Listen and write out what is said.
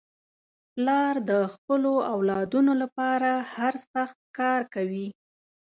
پلار د خپلو اولادنو لپاره هر سخت کار کوي.